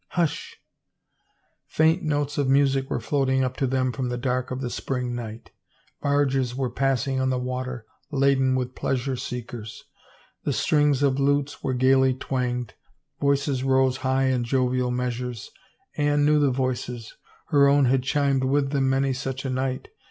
Hush !" Faint notes of music were floating up to them from the dark of the spring night Barges were passing on the water, laden with pleasure seekers. The strings of lutes were gayly twanged, voices rose high in jovial measures. Anne knew the voices — her own had chimed with them many such a night.